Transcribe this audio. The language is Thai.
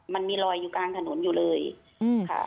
มันมีรอยอยู่กลางถนนอยู่เลยค่ะ